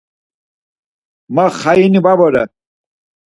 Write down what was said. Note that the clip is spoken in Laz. Ma xayini va vore.